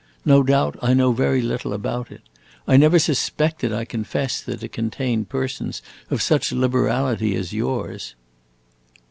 No doubt I know very little about it. I never suspected, I confess, that it contained persons of such liberality as yours."